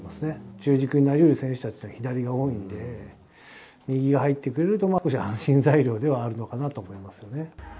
中軸になりうる選手たちは左が多いので、右が入ってくれるとこれ、安心材料ではあるのかなと思いますね。